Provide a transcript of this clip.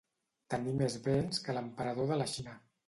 Tenir més béns que l'emperador de la Xina.